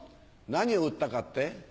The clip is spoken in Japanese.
何を売ったかって？